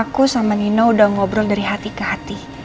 karena udah ngobrol dari hati ke hati